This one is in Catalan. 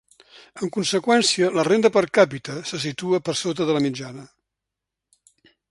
En conseqüència, la renda per càpita se situa per sota de la mitjana.